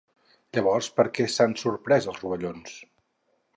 Llavors, per què s'han sorprès els rovellons?